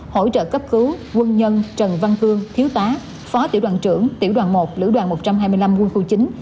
hỗ trợ cấp cứu quân nhân trần văn khương thiếu tá phó tiểu đoàn trưởng tiểu đoàn một lữ đoàn một trăm hai mươi năm quân khu chín